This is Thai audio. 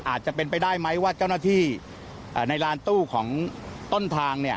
อาจจะเป็นไปได้ไหมว่าเจ้าหน้าที่ในลานตู้ของต้นทาง